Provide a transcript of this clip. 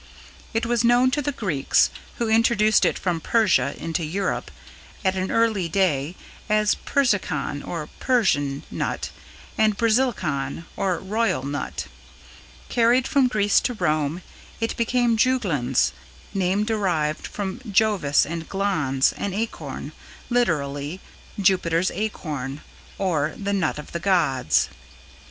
It was known to the Greeks, who introduced it from Persia into Europe at an early day, as "Persicon" or "Persian" nut and "Basilicon" or "Royal" nut. Carried from Greece to Rome, it became "Juglans" (name derived from Jovis and glans, an acorn; literally "Jupiter's Acorn", or "the Nut of the Gods").